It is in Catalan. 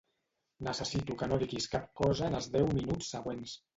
Necessito que no diguis cap cosa en els deu minuts següents.